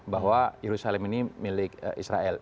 bahwa yerusalem ini milik israel